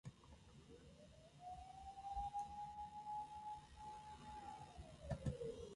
It is a nice day today.